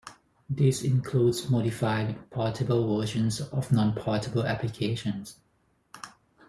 This includes modified portable versions of non-portable applications.